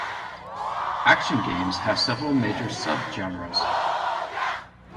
Action games have several major subgenres.